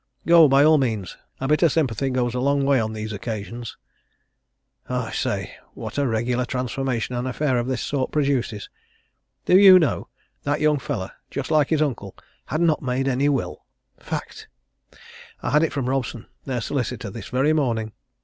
Go, by all means a bit of sympathy goes a long way on these occasions. I say! what a regular transformation an affair of this sort produces. Do you know, that young fellow, just like his uncle, had not made any will! Fact! I had it from Robson, their solicitor, this very morning.